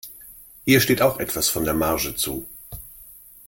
Ihr steht auch etwas von der Marge zu.